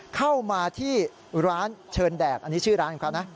เข้ามาที่ร้านเชิรแดกอันนี้ชื่อร้านอยู่ไงครับ